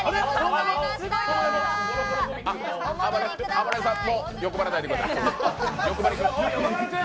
あばれる君、欲張らないでください